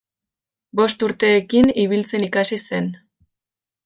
Bost urteekin ibiltzen ikasi zen.